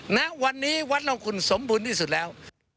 ณวันนี้วัดของคุณสมบูรณ์ที่สุดแล้ว